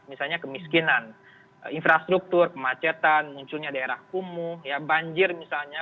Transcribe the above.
misalnya kemiskinan infrastruktur kemacetan munculnya daerah kumuh ya banjir misalnya